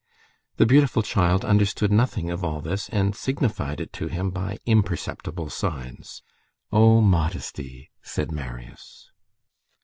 The beautiful child understood nothing of all this, and signified it to him by imperceptible signs. "O modesty!" said Marius.